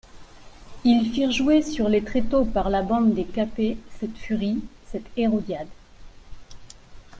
Ils firent jouer sur les tréteaux par la bande des Cappets, cette furie, cette Hérodiade.